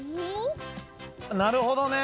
なるほどね！